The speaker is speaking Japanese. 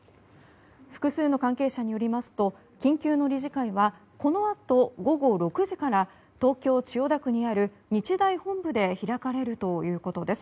複数の関係者によりますと緊急の理事会はこのあと午後６時から東京・千代田区にある日大本部で開かれるということです。